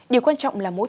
điều quan trọng là mỗi cái